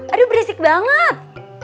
aduh berisik banget